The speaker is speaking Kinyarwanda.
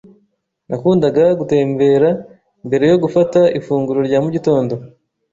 Nakundaga gutembera mbere yo gufata ifunguro rya mu gitondo.